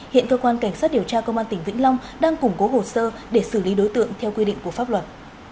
hiện cơ quan cảnh sát điều tra công an tỉnh vĩnh long đang củng cố hồ sơ để xử lý đối tượng theo quy định của pháp luật